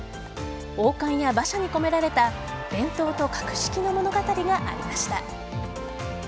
王冠や馬車に込められた伝統と格式の物語がありました。